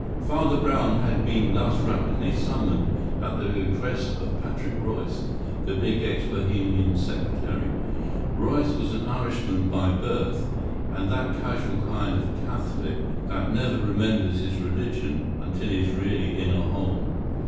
Father Brown had been thus rapidly summoned at the request of Patrick Royce, the big ex Bohemian secretary. Royce was an Irishman by birth; and that casual kind of Catholic that never remembers his religion until he is really in a hole.